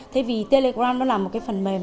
thế vì telegram đó là một phần mềm